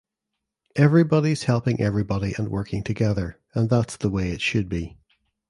Everybody’s helping everybody and working together, and that’s the way it should be.